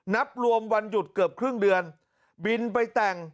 นับรวมวันหยุดเกือบครึ่งเดือนบินไปแต่ง